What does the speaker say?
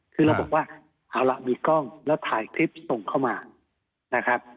คือเราบอกว่าเอาล่ะมีกล้องแล้วถ่ายคลิปส่งเข้ามานะครับ